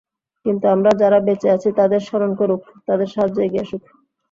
কিন্তু আমরা যারা বেঁচে আছি তাদের স্মরণ করুক, তাদের সাহায্যে এগিয়ে আসুক।